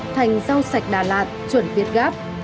thành rau sạch đà lạt chuẩn viết gáp